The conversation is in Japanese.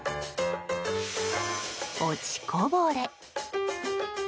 落ちこぼれ。